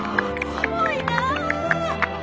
すごいなぁ。